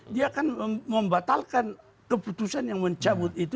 dia akan membatalkan keputusan yang mencabut itu